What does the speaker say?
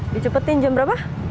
dicepetin jam berapa